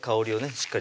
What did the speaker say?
しっかり